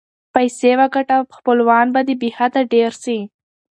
پیسې وګټه خپلوان به دې بی حده ډېر سي.